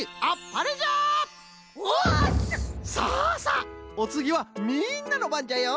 さあさあおつぎはみんなのばんじゃよ。